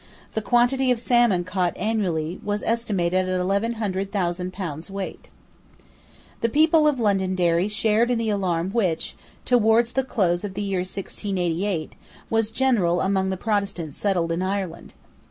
The quantity of salmon caught annually was estimated at eleven hundred thousand pounds' weight, The people of Londonderry shared in the alarm which, towards the close of the year 1688, was general among the Protestants settled in Ireland.